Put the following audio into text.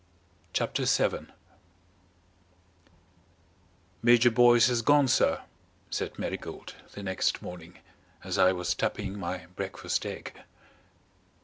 CHAPTER VII "Major Boyce has gone, sir," said Marigold, the next morning, as I was tapping my breakfast egg.